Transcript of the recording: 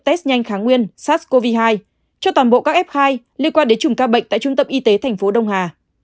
test nhanh kháng nguyên sars cov hai cho toàn bộ các f hai liên quan đến chùm ca bệnh tại trung tâm y tế tp đông hà